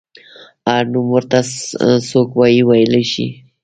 هر نوم ورته څوک وايي ویلی شي.